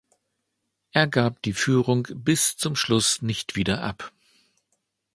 Er gab die Führung bis zum Schluss nicht wieder ab.